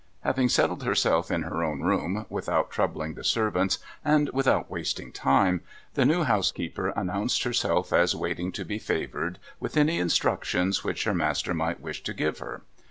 Having settled herself in her own room, without troubling the servants, and without wasting time, the new housekeeper announced herself as waiting to be favoured with any instructions which her master might wish to give her.